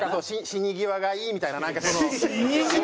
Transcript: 死に際がいいみたいななんかその。